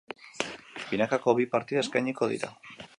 Binakako bi partida eskainiko dira.